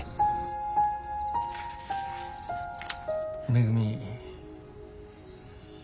めぐみ。